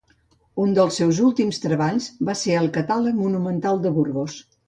Un dels seus últims treballs va ser el catàleg monumental de Burgos.